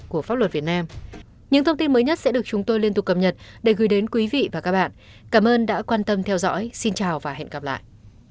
cảm ơn các bạn đã theo dõi và hẹn gặp lại